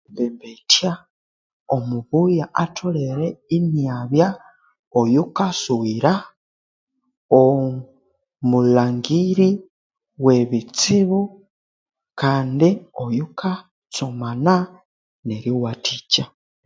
Omwembembethya omubuya atholere inabya oyukasughira oh omulhangiri webitsibu kandi oyukatsomana neriwathikya